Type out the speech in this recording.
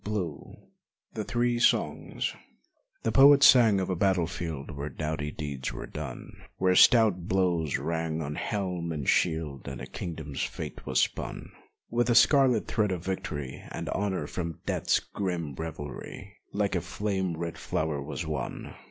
121 THE THREE SONGS The poet sang of a battle field Where doughty deeds were done, Where stout blows rang on helm and shield And a kingdom's fate was spun With the scarlet thread of victory, And honor from death's grim revelry Like a flame red flower was won!